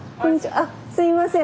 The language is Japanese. あっすいません。